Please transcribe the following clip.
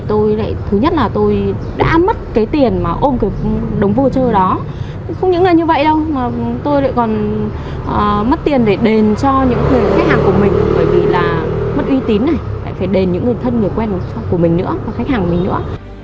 tôi lại còn mất tiền để đền cho những người khách hàng của mình bởi vì là mất uy tín này phải đền những người thân người quen của mình nữa khách hàng của mình nữa